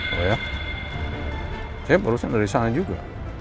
oh ya saya barusan dari sana juga